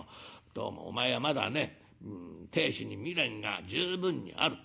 どうもお前はまだね亭主に未練が十分にある。